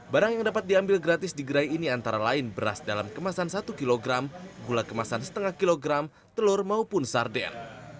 barang yang dapat diambil gratis di gerai ini antara lain beras dalam kemasan satu kg gula kemasan setengah kilogram telur maupun sarden